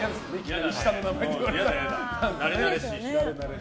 なれなれしいし。